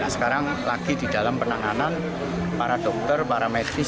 sekarang lagi di dalam penanganan para dokter para medis